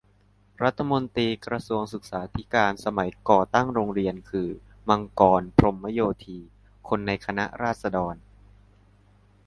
รัฐมนตรีกระทรวงศึกษาธิการสมัยก่อตั้งโรงเรียนคือ มังกร พรหมโยธี คนในคณะราษฎร